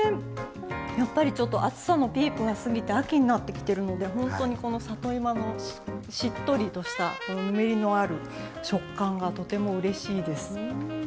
やっぱりちょっと暑さのピークが過ぎて秋になってきてるのでほんとにこの里芋のしっとりとしたこのぬめりのある食感がとてもうれしいです。